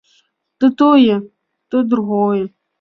То тое, то другое.